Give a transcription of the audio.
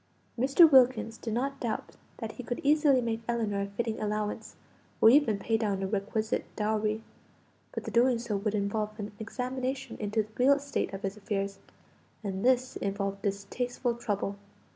Mr. Wilkins did not doubt that he could easily make Ellinor a fitting allowance, or even pay down a requisite dowry; but the doing so would involve an examination into the real state of his affairs, and this involved distasteful trouble.